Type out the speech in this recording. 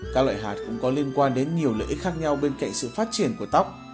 các loại hạt cũng có liên quan đến nhiều lợi ích khác nhau bên cạnh sự phát triển của tóc